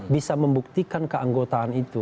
bisa membuktikan keanggotaan itu